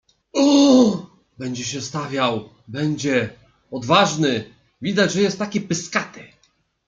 Ooo! Będzie się stawiał. Będzie. Odważny. Widać, że jest taki pyskaty.